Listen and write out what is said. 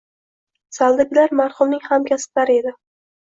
Zaldagilar marhumning hamkasblari edi